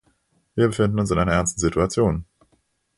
Wir befinden uns in einer ernsten Situation.